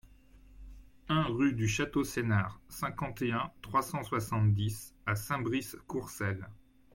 un rue du Château Senart, cinquante et un, trois cent soixante-dix à Saint-Brice-Courcelles